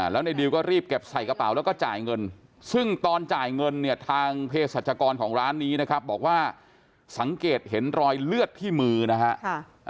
แล้วในดิวก็รีบเก็บใส่กระเป๋าแล้วก็จ่ายเงินซึ่งตอนจ่ายเงินเนี่ยทางเพศรัชกรของร้านนี้นะครับบอกว่าสังเกตเห็นรอยเลือดที่มือนะฮะ